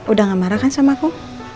udah gak marah kan sama aku